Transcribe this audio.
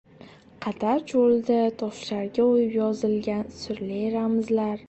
Qatar cho‘lida toshlarga o‘yib yozilgan sirli ramzlar topildi